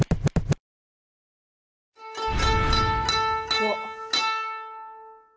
うわっ！